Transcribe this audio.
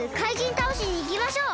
たおしにいきましょう！